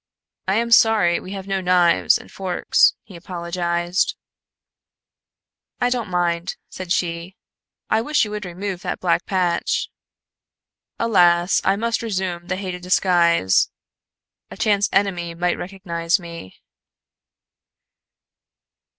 "I am sorry we have no knives and forks" he apologized. "I don't mind"' said she. "I wish you would remove that black patch." "Alas, I must resume the hated disguise. A chance enemy might recognize me."